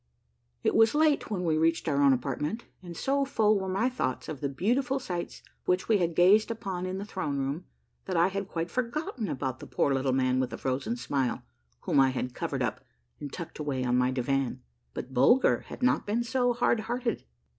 It was late when we reached our own apartment, and so full were my thoughts of the beautiful sights which we had gazed upon in the throne room, that I had quite forgotten about the poor Little Man with the Frozen Smile whom I had covered up and tucked away on my divan ; but Bulger had not been so hard hearted.